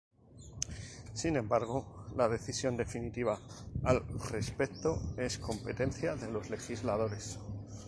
Sin embargo la decisión definitiva al respecto es competencia de los legisladores.